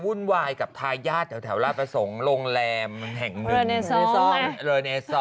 วุ่นวายกับทายาทแถวราชประสงค์โรงแรมแห่งหนึ่ง